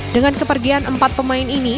dengan kepergian empat pemain ini